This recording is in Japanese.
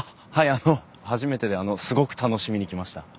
あの初めてですごく楽しみに来ました。